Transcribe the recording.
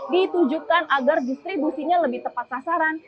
ditujukan agar distribusinya lebih tepat sasaran